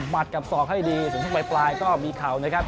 หมัดกับศอกให้ดีส่วนชกปลายก็มีเข่านะครับ